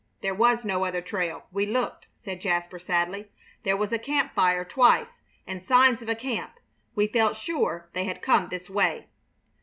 "There was no other trail. We looked," said Jasper, sadly. "There was a camp fire twice, and signs of a camp. We felt sure they had come this way."